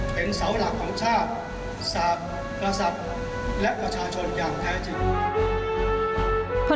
เป็นเสาหลักของชาติสาบกษัตริย์และประชาชนอย่างแท้จริง